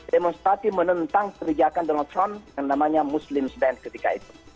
demonstrasi menentang kebijakan donald trump yang namanya muslim sdance ketika itu